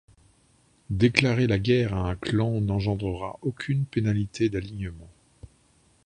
Déclarer la guerre à un clan n'engendrera aucune pénalité d'alignement.